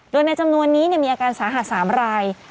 โดยในจำนวนนี้มีอาการสาหัส๓ราย